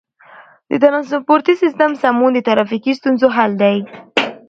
د ترانسپورتي سیستم سمون د ترافیکي ستونزو حل دی.